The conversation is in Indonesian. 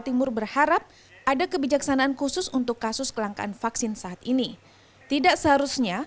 timur berharap ada kebijaksanaan khusus untuk kasus kelangkaan vaksin saat ini tidak seharusnya